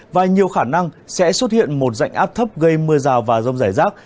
và nhiều khả năng sẽ xuất hiện một dạnh áp thấp gây mưa rào và rông rải rác